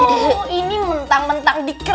oh ini mentang mentang dikerah